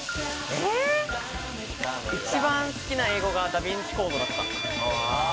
一番好きな英語がダ・ヴィンチコードだった。